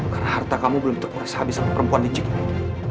karena harta kamu belum terpuresa habis sama perempuan licik ini